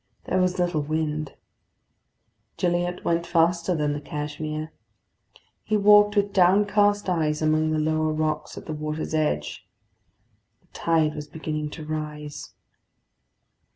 There was little wind; Gilliatt went faster than the Cashmere. He walked with downcast eyes among the lower rocks at the water's edge. The tide was beginning to rise.